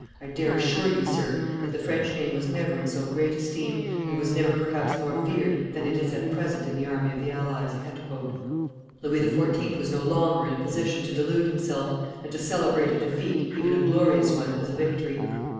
I dare assure you, sir, that the French name was never in so great esteem, and was never perhaps more feared, than it is at present in the army of the allies." [Illustration: Bivouac of Louis XIV. 503] Louis XIV. was no longer in a position to delude himself, and to celebrate a defeat, even a glorious one, as a victory.